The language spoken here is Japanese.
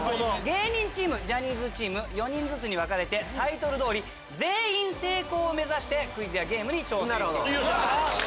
芸人チームジャニーズチーム４人ずつに分かれてタイトル通り全員成功を目指してクイズやゲームに挑戦していただきます。